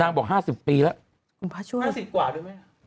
นางบอก๕๐ปีแล้วทุกคนนะหรือ๕๐กว่าดูไหม